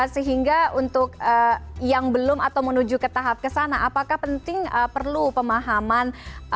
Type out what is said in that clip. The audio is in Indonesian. sehingga untuk yang belum atau menuju ke tahap kesana apakah penting perlu pemahaman